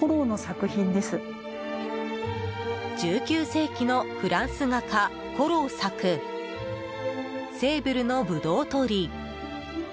１９世紀のフランス画家コロー作「セーブルの葡萄とり」。